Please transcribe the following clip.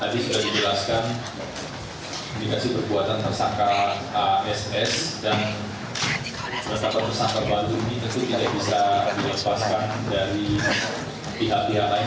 tadi sudah dijelaskan ini kasih perbuatan persangka ass dan persangka baru ini tentu tidak bisa dilepaskan dari pihak pihak lain